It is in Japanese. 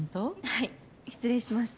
はい失礼します。